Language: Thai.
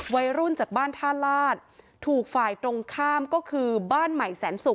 วัยรุ่นจากบ้านท่าลาศถูกฝ่ายตรงข้ามก็คือบ้านใหม่แสนศุกร์